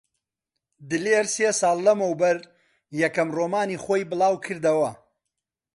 دلێر سێ ساڵ لەمەوبەر یەکەم ڕۆمانی خۆی بڵاو کردەوە.